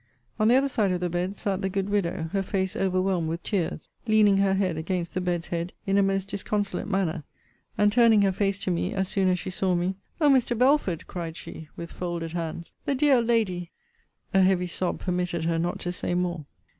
On the other side of the bed sat the good widow; her face overwhelmed with tears, leaning her head against the bed's head in a most disconsolate manner; and turning her face to me, as soon as she saw me, O Mr. Belford, cried she, with folded hands the dear lady A heavy sob permitted her not to say more.